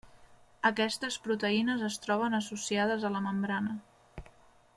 Aquestes proteïnes es troben associades a la membrana.